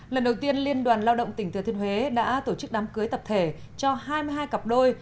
lần đầu tiên liên đoàn lao động tỉnh thừa thiên huế đã tổ chức đám cưới tập thể cho hai mươi hai cặp đôi